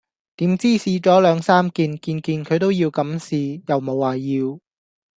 點知試左兩三件，件件佢都要咁試又無話要